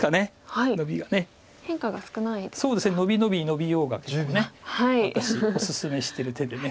伸び伸びノビようが私おすすめしてる手で。